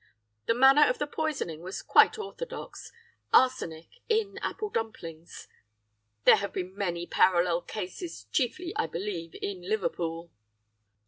"'The manner of the poisoning was quite orthodox arsenic in apple dumplings. There have been many parallel cases, chiefly, I believe, in Liverpool.